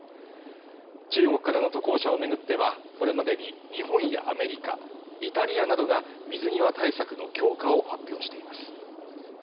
中国からの渡航者を巡ってはこれまでに日本やアメリカ、イタリアなどが水際対策の強化を発表しています。